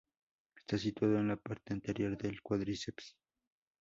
Está situado en la parte anterior del cuádriceps.